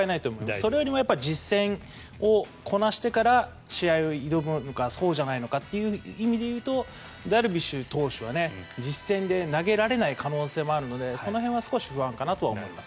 それよりも実戦をこなしてから試合に挑むのかそうじゃないのかという意味で言うとダルビッシュ投手は実戦で投げられない可能性もあるのでその辺は少し不安かなと思います。